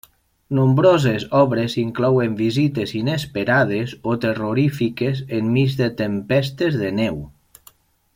Nombroses obres inclouen visites inesperades o terrorífiques enmig de tempestes de neu.